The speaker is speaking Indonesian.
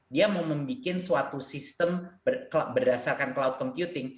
dia mau membuat suatu sistem berdasarkan cloud computing